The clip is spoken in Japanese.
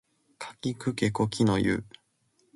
かきくけこきのゆ